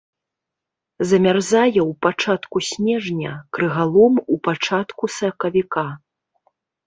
Замярзае ў пачатку снежня, крыгалом у пачатку сакавіка.